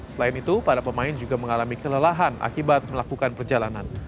selain itu para pemain juga mengalami kelelahan akibat melakukan perjalanan